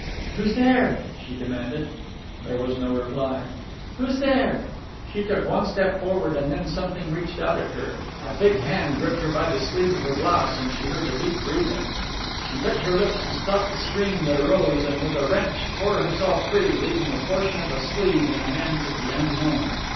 "Who's there?" she demanded. There was no reply. "Who's there?" She took one step forward and then something reached out at her. A big hand gripped her by the sleeve of her blouse and she heard a deep breathing. She bit her lips to stop the scream that arose, and with a wrench tore herself free, leaving a portion of a sleeve in the hands of the unknown.